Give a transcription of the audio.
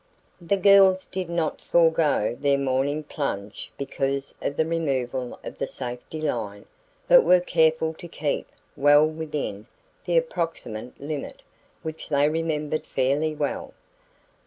The girls did not forego their morning plunge because of the removal of the "safety line," but were careful to keep well within the approximate limit which they remembered fairly well.